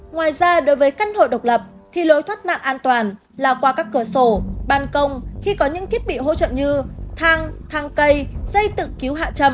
ngoài ra đối với căn hộ độc lập thì lối thoát nạn an toàn là qua các cửa sổ ban công khi có những thiết bị hỗ trợ như thang thang cây dây tự cứu hạ châm